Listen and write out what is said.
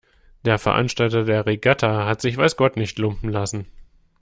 Der Veranstalter der Regatta hat sich weiß Gott nicht lumpen lassen.